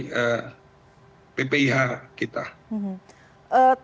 tahun tahun sebelumnya penyebab utama calon haji asal indonesia wafat adalah penyakit jantung